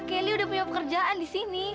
kelly udah punya pekerjaan disini